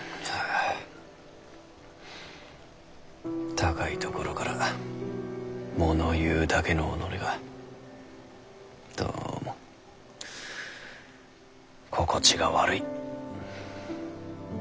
高い所から物言うだけの己がどうも心地が悪い。